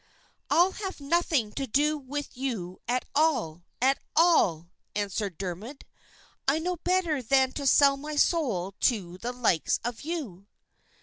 "I'll have nothing to do with you at all, at all!" answered Dermod; "I know better than to sell my soul to the likes of you!"